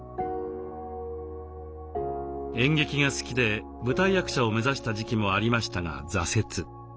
演劇が好きで舞台役者を目指した時期もありましたが挫折。